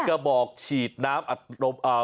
กระบอกฉีดน้ำ